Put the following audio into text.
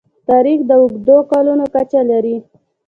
تاریخ د اوږدو کلونو کچه لري.